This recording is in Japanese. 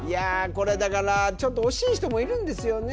これだからちょっと惜しい人もいるんですよね